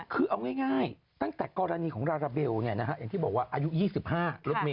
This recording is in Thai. คือเอาง่ายตั้งแต่กรณีของลาลาเบลอย่างที่บอกว่าอายุ๒๕รถเมย